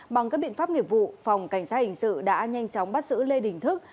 bằng các biện pháp nghiệp vụ phòng cảnh sát hình sự đã nhanh chóng bắt xử lê đình thức